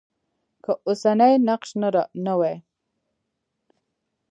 که اوسنی نقش نه وای.